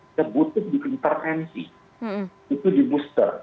itu butuh diperintensi itu dibooster